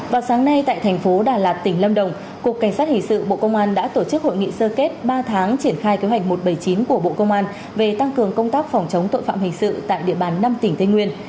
vào sáng nay tại thành phố đà lạt tỉnh lâm đồng cục cảnh sát hình sự bộ công an đã tổ chức hội nghị sơ kết ba tháng triển khai kế hoạch một trăm bảy mươi chín của bộ công an về tăng cường công tác phòng chống tội phạm hình sự tại địa bàn năm tỉnh tây nguyên